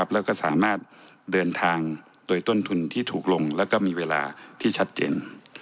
แล้วก็สามารถเดินทางโดยต้นทุนที่ถูกลงแล้วก็มีเวลาที่ชัดเจน